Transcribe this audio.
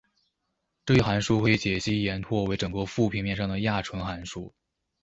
这一函数可以解析延拓为整个复平面上的亚纯函数。